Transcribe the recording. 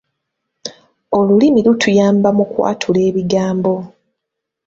Olulimi lutuyamba mu kwatula ebigambo.